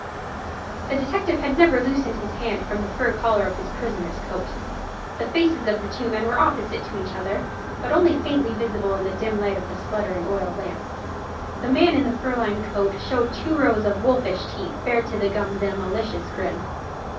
The detective had never loosed his hand from the fur collar of his prisoner's coat. The faces of the two men were opposite to each other, but only faintly visible in the dim light of the spluttering oil lamp. The man in the fur lined coat showed two rows of wolfish teeth, bared to the gums in a malicious grin.